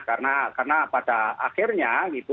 karena pada akhirnya gitu